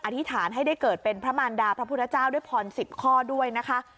อธิษฐานให้ได้เกิดเป็นพระมารดาพระพุทธเจ้าด้วยพร๑๐ข้อด้วยนะคะ